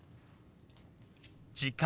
「時間」。